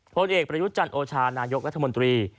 พลเอกประยุทธ์จันโอชานายกรัฐมนตรี